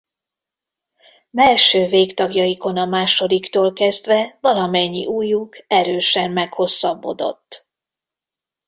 Mellső végtagjaikon a másodiktól kezdve valamennyi ujjuk erősen meghosszabbodott.